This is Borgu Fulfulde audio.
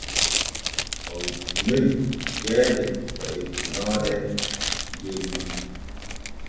O wittinoyii ceede to ettunoo ɗe jemma.